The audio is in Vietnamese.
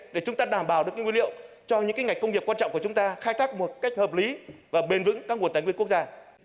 để chúng ta đảm bảo được nguyên liệu cho những ngành công nghiệp quan trọng của chúng ta khai thác một cách hợp lý và bền vững các nguồn tài nguyên quốc gia